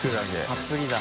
たっぷりだ。